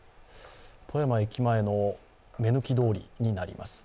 富山駅前の目抜き通りになります。